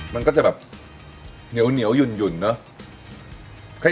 มันก็จะแบบเหนียวหยุ่นเนอะ